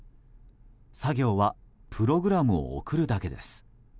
作業はプログラムを送るだけです。